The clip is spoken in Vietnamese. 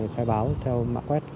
khai báo theo mạng quét